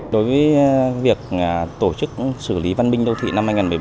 đối với việc tổ chức xử lý văn minh đô thị năm hai nghìn một mươi bốn